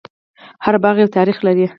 هر باغ یو تاریخ لري.